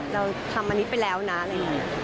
เราทำอันนี้ไปแล้วนะอะไรอย่างนี้